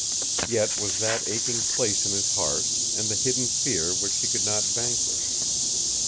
Yet was that aching place in his heart, and the hidden fear which he could not vanquish.